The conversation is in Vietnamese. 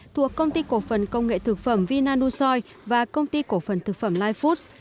thuộc công ty cổ phần công nghệ thực phẩm vina nusoy và công ty cổ phần thực phẩm life food